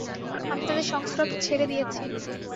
আমি তাদের সংস্রব ছেড়ে দিয়েছি।